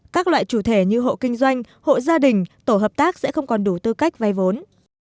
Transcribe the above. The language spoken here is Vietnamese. các loại chủ thể như hộ kinh doanh hộ gia đình tổ hợp tác sẽ không còn đủ tư cách vay vốn